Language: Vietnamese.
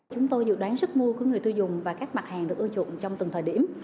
chúng tôi dự đoán sức mua của người tiêu dùng và các mặt hàng được ưa chuộng trong từng thời điểm